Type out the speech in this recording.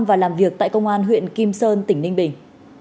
và làm việc tại công an huyện kim sơn tỉnh ninh bình